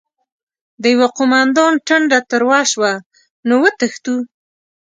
د يوه قوماندان ټنډه تروه شوه: نو وتښتو؟!